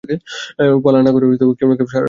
পালা করে কেউ-না-কেউ সারা রাত জেগে থাকি।